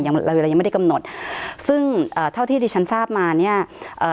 เราเวลายังไม่ได้กำหนดซึ่งเอ่อเท่าที่ดิฉันทราบมาเนี้ยเอ่อ